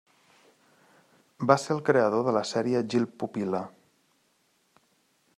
Va ser el creador de la sèrie Gil Pupil·la.